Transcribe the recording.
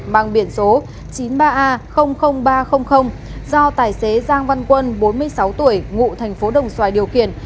mang biển số chín mươi ba a ba trăm linh do tài xế giang văn quân bốn mươi sáu tuổi ngụ thành phố đồng xoài điều khiển